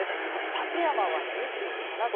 館山は２７度。